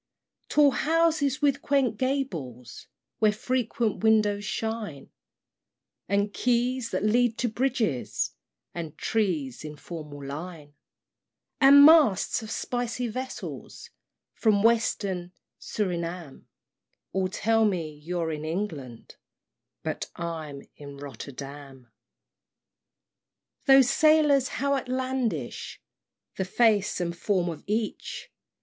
III. Tall houses with quaint gables, Where frequent windows shine, And quays that lead to bridges, And trees in formal line, And masts of spicy vessels From western Surinam, All tell me you're in England, But I'm in Rotterdam. IV. Those sailors, how outlandish The face and form of each!